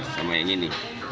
sama yang ini